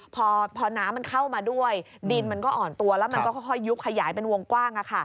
พอน้ำมันเข้ามาด้วยดินมันก็อ่อนตัวแล้วมันก็ค่อยยุบขยายเป็นวงกว้าง